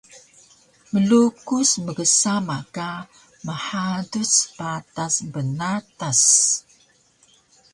Mlukus mgsama ka mhaduc patas bnatas